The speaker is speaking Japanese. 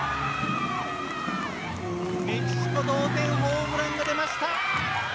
メキシコ同点ホームランが出ました。